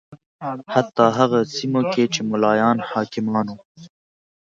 حتی هغه سیمو کې چې ملایان حاکمان و